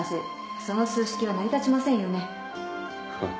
その数式は成り立ちませんよね。